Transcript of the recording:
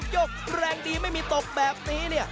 กแรงดีไม่มีตกแบบนี้เนี่ย